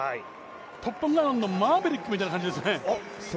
「トップガン」のマーヴェリックというかんじですね。